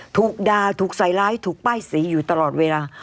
ถูกด่าถูกใส่ร้ายถูกป้ายสีอยู่ตลอดเวลา